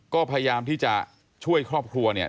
ก็พยายามที่จะช่วยครอบครัวเนี่ย